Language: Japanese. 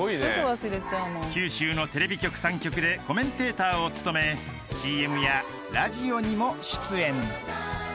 ［九州のテレビ局３局でコメンテーターを務めＣＭやラジオにも出演］